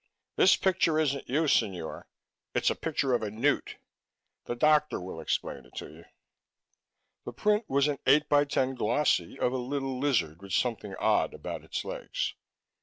"This picture isn't you, Signore. It is a picture of a newt. The doctor will explain it to you." The print was an eight by ten glossy of a little lizard with something odd about its legs.